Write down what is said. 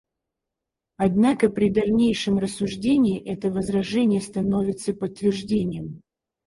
Однако при дальнейшем рассуждении это возражение становится подтверждением.